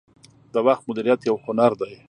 • د وخت مدیریت یو هنر دی.